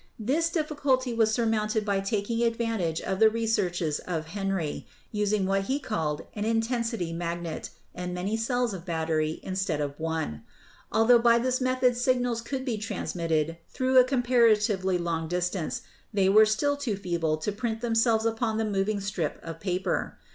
This difficulty was surmounted by taking ad vantage of the researches of Henry, using what he called an "intensity" magnet and many cells of battery instead of one. Altho by this method signals could be trans mitted through a comparatively long distance, they were still too feeble to print themselves upon the moving strip of paper.